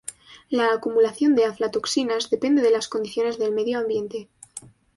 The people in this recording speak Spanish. La acumulación de aflatoxinas depende de las condiciones del medio ambiente.